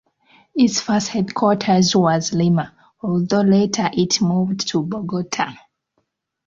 Its first headquarters was Lima, although later it moved to Bogota.